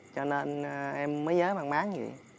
cho nên em mới nhớ bằng má như vậy